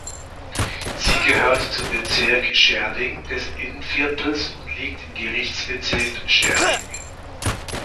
Sie gehört zum Bezirk Schärding des Innviertels und liegt im Gerichtsbezirk Schärding.